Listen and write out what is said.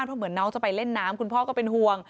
เพราะเหมือนน้องจะไปเล่นน้ำคุณพ่อก็เป็นห่วง